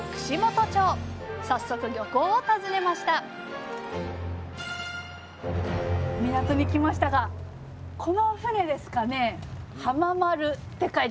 早速漁港を訪ねました港に来ましたがこの船ですかね。